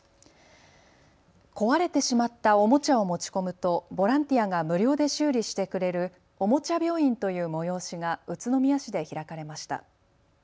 壊れてしまったおもちゃを持ち込むとボランティアが無料で修理してくれるおもちゃ病院という催しが宇都宮市で開かれました。